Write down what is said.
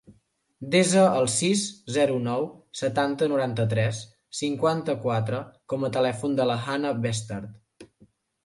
Desa el sis, zero, nou, setanta, noranta-tres, cinquanta-quatre com a telèfon de la Hanna Bestard.